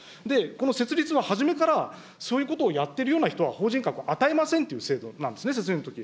この設立の初めからそういうことをやっているような人は法人格与えませんという制度なんですね、設立のとき。